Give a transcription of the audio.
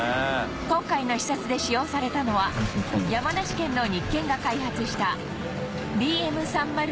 今回の視察で使用されたのは山梨県の日建が開発した ＢＭ３０７−Ｖ２０